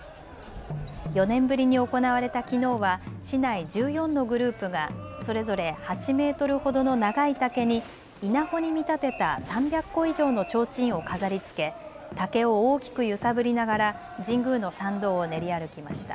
４年ぶりに行われたきのうは市内１４のグループがそれぞれ８メートルほどの長い竹に稲穂に見立てた３００個以上のちょうちんを飾りつけ竹を大きく揺さぶりながら神宮の参道を練り歩きました。